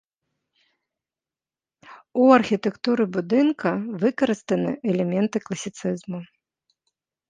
У архітэктуры будынка выкарыстаны элементы класіцызму.